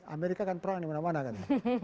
amerika akan perang dimana mana kan